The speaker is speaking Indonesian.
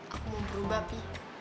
aku mau berubah pi